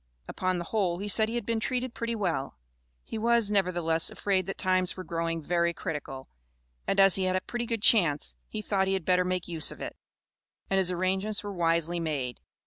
Upon the whole he said he had been treated pretty well. He was, nevertheless, afraid that times were growing "very critical," and as he had a pretty good chance, he thought he had better make use of it, and his arrangements were wisely made.